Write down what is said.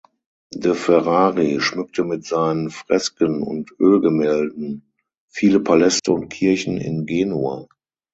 De Ferrari schmückte mit seinen Fresken und Ölgemälden viele Paläste und Kirchen in Genua.